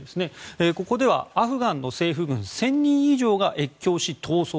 ここではアフガンの政府軍１０００人以上が越境し逃走